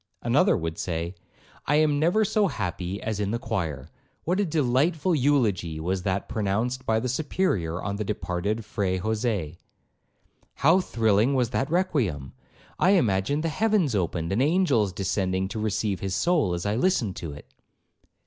Another would say, 'I never am so happy as in the choir! What a delightful eulogy was that pronounced by the Superior on the departed Fre Jose! How thrilling was that requiem! I imagined the heavens opened, and angels descending to receive his soul, as I listened to it!'